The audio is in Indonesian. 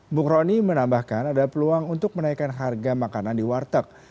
mukroni menambahkan ada peluang untuk menaikan harga makanan di warteg